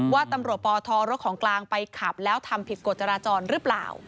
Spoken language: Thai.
ว่าตำรวจปทรถของกลางไปขับแล้วทำผิดกฎจราจรหรือเปล่า